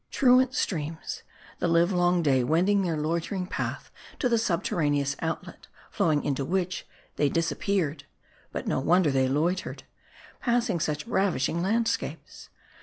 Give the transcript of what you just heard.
Truant streams : the livelong day wending their loitering path to the subterraneous outlet,* flowing into which, they disappeared. But no wonder they loitered ; passing such ravishing landscapes.